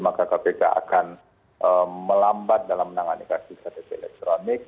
maka kpk akan melambat dalam menangani kasus ktp elektronik